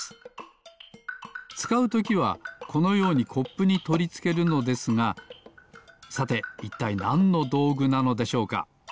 つかうときはこのようにコップにとりつけるのですがさていったいなんのどうぐなのでしょうか？